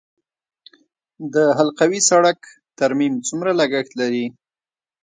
د حلقوي سړک ترمیم څومره لګښت لري؟